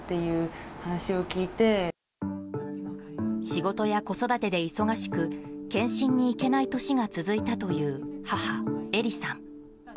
仕事や子育てで忙しく検診に行けない年が続いたという母・絵里さん。